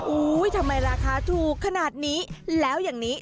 อุ๊ยทำไมราคาถูกขนาดนี้